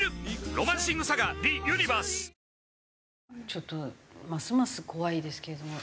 ちょっとますます怖いですけれども。